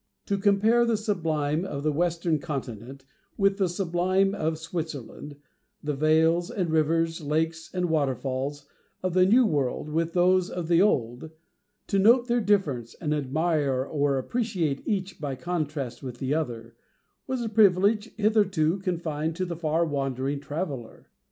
To compare the sublime of the Western Continent with the sublime of Switzerland—the vales and rivers, lakes and waterfalls, of the New World with those of the Old—to note their differences, and admire or appreciate each by contrast with the other, was a privilege hitherto confined to the far wandering traveller.